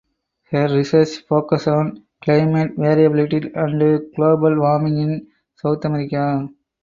Her research focuses on climate variability and global warming in South America.